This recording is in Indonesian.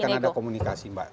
nanti akan ada komunikasi mbak